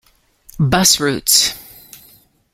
Bus Routes